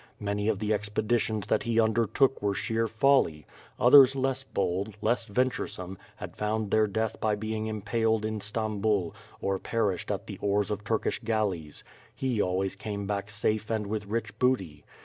Many of the expeditions that he undertook were sheer folly. Others less bold, less venturesome, had found their death by being impaled in Stambul, or perished ?.t the oars of Turkish galleys. He always came back safe and with rich booty.